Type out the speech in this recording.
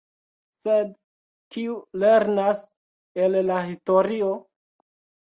Sed kiu lernas el la historio?